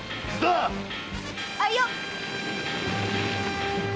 あいよっ！